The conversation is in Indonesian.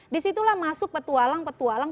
disitulah masuk petualang petualang